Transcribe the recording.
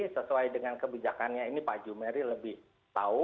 sesuai dengan kebijakannya ini pak jumeri lebih tahu